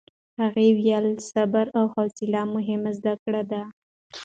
هغې ویلي، صبر او حوصله مهمې زده کړې دي.